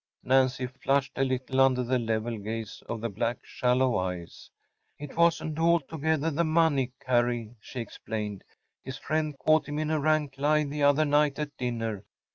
‚ÄĚ Nancy flushed a little under the level gaze of the black, shallow eyes. “It wasn’t altogether the money, Carrie,‚ÄĚ she explained. “His friend caught him in a rank lie the other night at dinner.